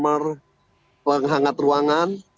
warna penghangat ruangan